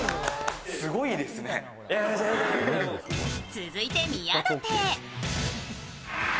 続いて、宮舘。